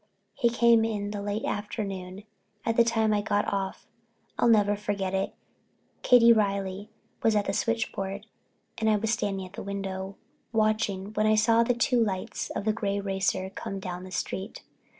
He came in the late afternoon, at the time I got off. I'll never forget it. Katie Reilly was at the switchboard and I was standing at the window, watching, when I saw the two lights of the gray racer coming down the street.